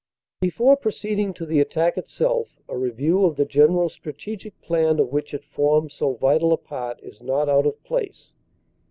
Before proceeding to the attack itself, a review of the gen eral strategic plan of which it formed so vital a part, is not out of place.